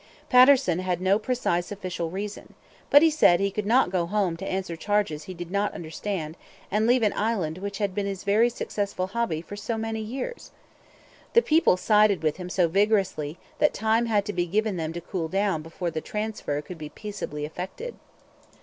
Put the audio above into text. Patterson had no precise official reason. But he said he could not go home to answer charges he did not understand and leave an island which had been his very successful hobby for so many years! The people sided with him so vigorously that time had to be given them to cool down before the transfer could be peaceably effected.